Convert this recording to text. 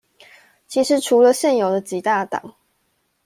其實除了現有的幾大黨